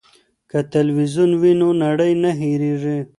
که تلویزیون وي نو نړۍ نه هیریږي.